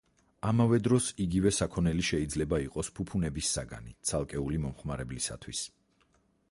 ამავე დროს, იგივე საქონელი შეიძლება იყოს ფუფუნების საგანი, ცალკეული მომხმარებლისათვის.